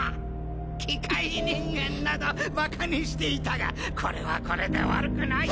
機械人間などバカにしていたがこれはこれで悪くない！